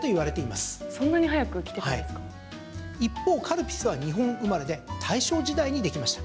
一方、カルピスは日本生まれで大正時代にできました。